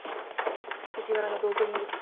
藤原の同居人でしょ？